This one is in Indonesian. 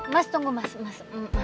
mas tunggu mas